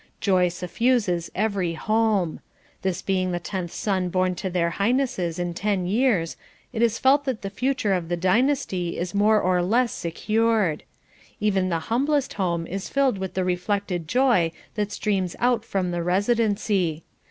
Joy suffuses every home. This being the tenth son born to their Highnesses in ten years it is felt that the future of the dynasty is more or less secured. Even the humblest home is filled with the reflected joy that streams out from the Residency.